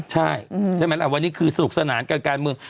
ใช่ไหมล่ะวันนี้คือสนุกสนานกันการเมือง